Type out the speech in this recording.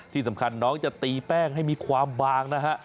ที่สำคัญน้องจะตีแป้งให้มีความบางนะฮะ